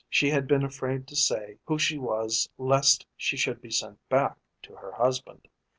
She had been afraid to say who she was lest she should be sent back to her husband.